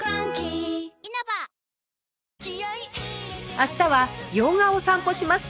明日は用賀を散歩します